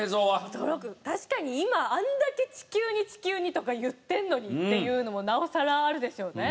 確かに今あれだけ地球に地球にとか言ってるのにっていうのもなおさらあるでしょうね。